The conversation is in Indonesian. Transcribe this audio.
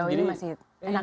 sejauh ini masih enakan